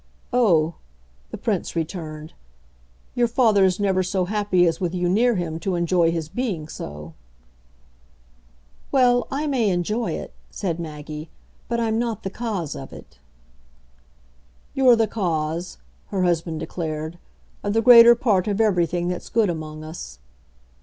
"Oh," the Prince returned, "your father's never so happy as with you near him to enjoy his being so." "Well, I may enjoy it," said Maggie, "but I'm not the cause of it." "You're the cause," her husband declared, "of the greater part of everything that's good among us."